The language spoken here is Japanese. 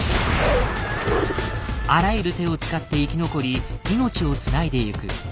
あらゆる手を使って生き残り命をつないでゆく。